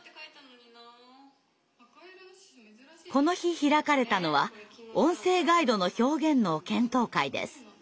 この日開かれたのは音声ガイドの表現の検討会です。